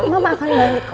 mama akan balik kok